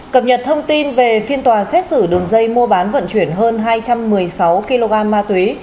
cập nhật thông tin về phiên tòa xét xử đường dây mua bán vận chuyển hơn hai trăm một mươi sáu kg ma túy